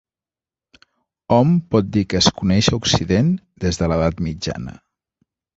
Hom pot dir que es coneix a Occident des de l'edat mitjana.